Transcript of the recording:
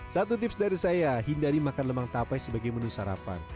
satu tips dari saya hindari makan lemang tapai sebagai menu sarapan